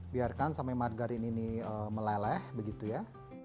biarkan sampai margarin ini meleleh begitu ya